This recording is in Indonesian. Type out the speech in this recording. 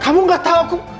kamu gak tahu aku